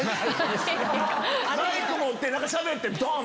マイク持ってしゃべってドン！